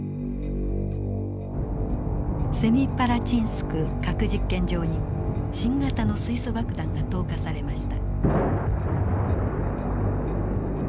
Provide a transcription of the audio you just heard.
セミパラチンスク核実験場に新型の水素爆弾が投下されました。